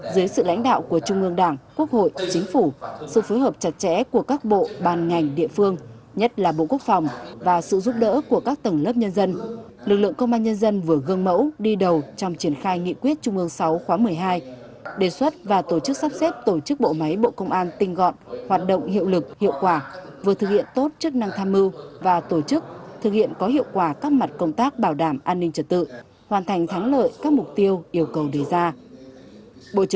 dưới sự lãnh đạo của trung ương đảng quốc hội chính phủ sự phối hợp chặt chẽ của các bộ bàn ngành địa phương nhất là bộ quốc phòng và sự giúp đỡ của các tầng lớp nhân dân lực lượng công an nhân dân vừa gương mẫu đi đầu trong triển khai nghị quyết trung ương sáu khóa một mươi hai đề xuất và tổ chức sắp xếp tổ chức bộ máy bộ công an tinh gọn hoạt động hiệu lực hiệu quả vừa thực hiện tốt chức năng tham mưu và tổ chức thực hiện có hiệu quả các mặt công tác bảo đảm an ninh trật tự hoàn thành thắng lợi các mục tiêu yêu c